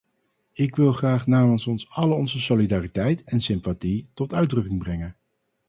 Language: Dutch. Ik wil graag namens ons allen onze solidariteit en sympathie tot uitdrukking brengen.